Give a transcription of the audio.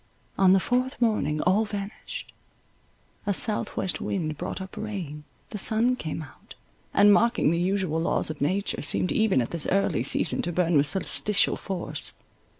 On the fourth morning all vanished. A south west wind brought up rain—the sun came out, and mocking the usual laws of nature, seemed even at this early season to burn with solsticial force.